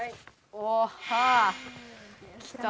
おおはあきた。